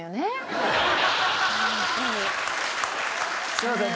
すいません。